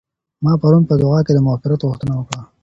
ما پرون په دعا کي د مغفرت غوښتنه وکړه.